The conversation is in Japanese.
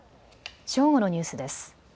正午のニュースです。